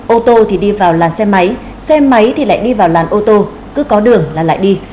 ô tô thì đi vào làn xe máy xe máy thì lại đi vào làn ô tô cứ có đường là lại đi